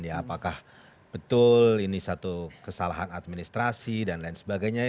apakah betul ini satu kesalahan administrasi dan lain sebagainya